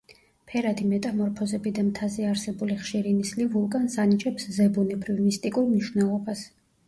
ფერადი მეტამორფოზები და მთაზე არსებული ხშირი ნისლი ვულკანს ანიჭებს ზებუნებრივ, მისტიკურ მნიშვნელობას.